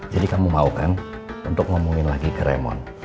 jadi kamu mau kan untuk ngomongin lagi ke remo